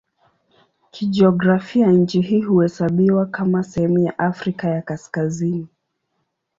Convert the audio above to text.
Kijiografia nchi hii huhesabiwa kama sehemu ya Afrika ya Kaskazini.